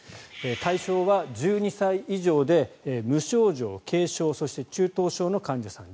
対象は１２歳以上で無症状、軽症そして中等症の患者さん。